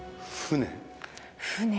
船。